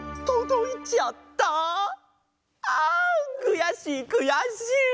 あんくやしいくやしい！